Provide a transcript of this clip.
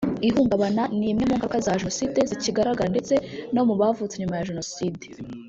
Ihungabana ni imwe mu ngaruka za Jenoside zikigaragaza ndetse no mu bavutse nyuma ya jenoside